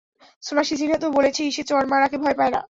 সোনাক্ষী সিনহা তো বলেছেই সে চড় মারাকে ভয় পায় না।